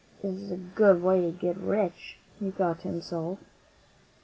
"It's a good way to get rich," he thought to himself.